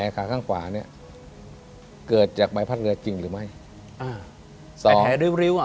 ขาข้างขวาเนี้ยเกิดจากใบพัดเรือจริงหรือไม่อ่าใส่แผลริ้วริ้วอ่ะ